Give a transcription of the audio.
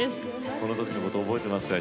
この時のこと覚えていますか？